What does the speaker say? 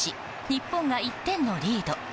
日本が１点のリード。